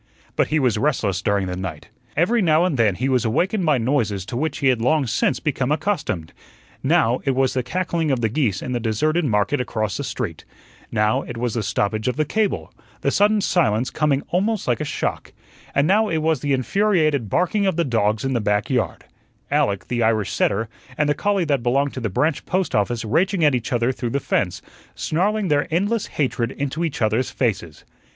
But he was restless during the night. Every now and then he was awakened by noises to which he had long since become accustomed. Now it was the cackling of the geese in the deserted market across the street; now it was the stoppage of the cable, the sudden silence coming almost like a shock; and now it was the infuriated barking of the dogs in the back yard Alec, the Irish setter, and the collie that belonged to the branch post office raging at each other through the fence, snarling their endless hatred into each other's faces.